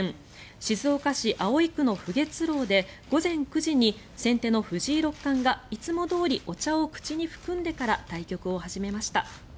静岡市葵区の浮月楼で午前９時に、先手の藤井六冠がいつもどおりお茶を口に含んでから対局を始めました。